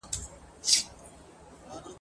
موږ د شین سترګي تعویذګر او پیر بابا په هیله ..